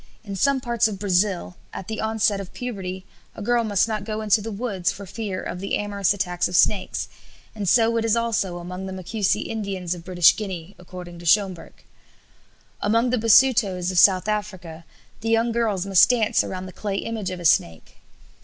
In some parts of Brazil at the onset of puberty a girl must not go into the woods for fear of the amorous attacks of snakes, and so it is also among the Macusi Indians of British Guiana, according to Schomburgk. Among the Basutos of South Africa the young girls must dance around the clay image of a snake.